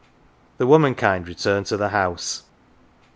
The womankind return to the house.